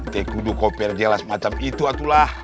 tidak perlu kau berjelas macam itu atulah